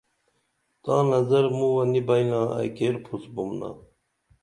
تاں نظرمُوں نی بئی نا ائی کیر پُھس بُمنا